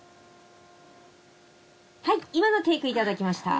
今のテイク頂きました